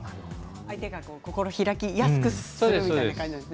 相手が心を開きやすくするということですね。